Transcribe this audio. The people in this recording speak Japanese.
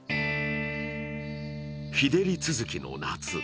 日照り続きの夏。